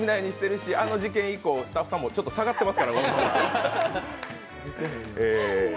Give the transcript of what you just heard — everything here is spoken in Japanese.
あの事件以降、スタッフさんもちょっと下がってますから。